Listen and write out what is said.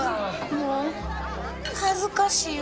もう恥ずかしいわ。